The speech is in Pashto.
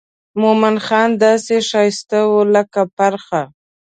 مومن خان داسې ښایسته و لکه پرخه.